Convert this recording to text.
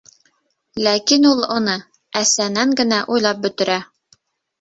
Ләкин ул уны әсенән генә уйлап бөтөрә.